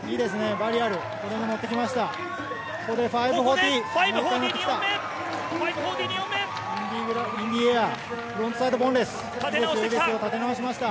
バリアル、これも乗ってきました！